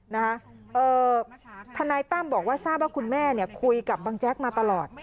นะคะธนายตั้มบอกว่าซ่าวว่าคุณแม่คุยกับบังแจ๊กมาตลอด